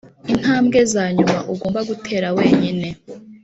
intambwe zanyuma ugomba gutera wenyine.